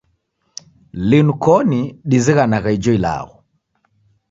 Linu koni dizighanagha ijo ilagho.